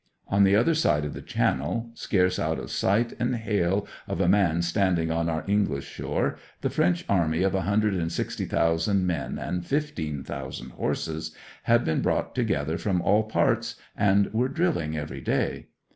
On the other side of the Channel, scarce out of sight and hail of a man standing on our English shore, the French army of a hundred and sixty thousand men and fifteen thousand horses had been brought together from all parts, and were drilling every day.